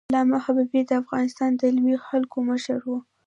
علامه حبيبي د افغانستان د علمي حلقو مشر و.